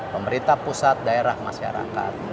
pemerintah pusat daerah masyarakat